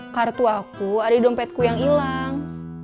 kartu aku ada di dompetku yang hilang